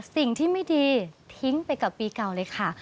สิ่งที่ไม่ดีทิ้งไปกับปีเก่าเลยค่ะ